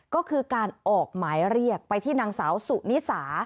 ก็คือการออกหมายเรียกไปที่นางสาวสุนิสา